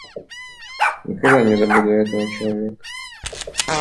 Никогда не забуду этого человека.